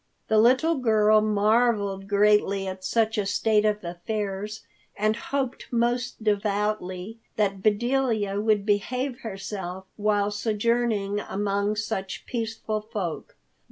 The little girl marveled greatly at such a state of affairs, and hoped most devoutly that Bedelia would behave herself while sojourning among such peaceful folk.